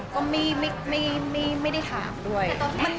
ก็ไม่ได้ถามด้วย